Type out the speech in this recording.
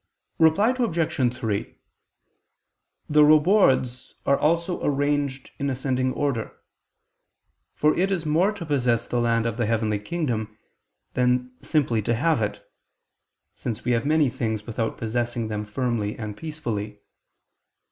Reply Obj. 3: The rewards are also arranged in ascending order. For it is more to possess the land of the heavenly kingdom than simply to have it: since we have many things without possessing them firmly and peacefully.